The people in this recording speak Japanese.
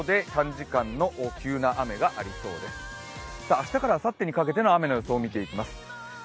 明日からあさってにかけての雨の予想見ていきます。